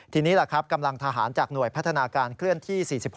ทีนี้ล่ะครับกำลังทหารจากหน่วยพัฒนาการเคลื่อนที่๔๖